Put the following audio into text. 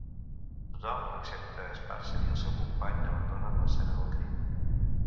Tothom excepte Sparser i el seu company abandonen l'escena del crim.